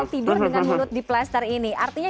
tidur dengan mulut diplaster ini artinya